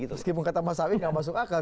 meskipun kata mas awin nggak masuk akal